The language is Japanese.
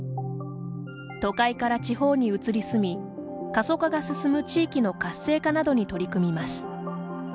都会から地方に移り住み過疎化が進む地域の活性化などに取り組みます。